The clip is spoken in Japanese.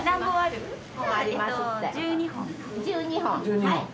１２本。